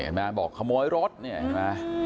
นี่แมนบอกขโมยรถเนี่ยนะ